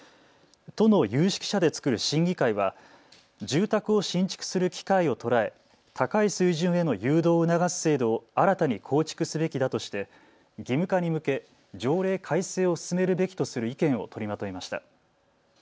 都の有識者で作る審議会は住宅を新築する機会を捉え高い水準への誘導を促す制度を新たに構築すべきだとして義務化に向け条例改正を進めるべきとする意見を取りまとめました。